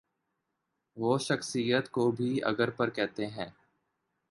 وہ شخصیات کو بھی اگر پرکھتے ہیں۔